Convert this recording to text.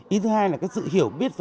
ý thứ hai là sự hiểu biết